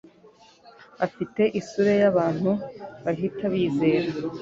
afite isura abantu bahita bizera.